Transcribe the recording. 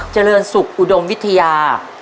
เจริญสุขอุดมวิทยา